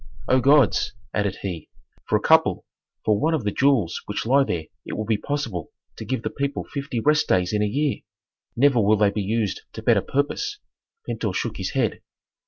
"O gods!" added he, "for a couple for one of the jewels which lie there it would be possible to give the people fifty rest days in a year! Never will they be used to better purpose." Pentuer shook his head.